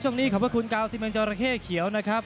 ช่วงนี้ขอบคุณกาวสิบหมื่นจอระเข้เขียวนะครับ